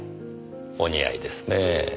お似合いですねぇ。